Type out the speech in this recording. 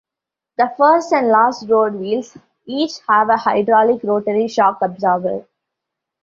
The first and last road wheels each have a hydraulic rotary shock absorber.